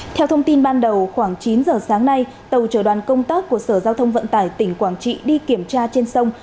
theo thông tin ban đầu khoảng chín giờ sáng nay tàu chở đoàn công tác của sở giao thông vận tải tỉnh quảng trị đi kiểm tra trên sông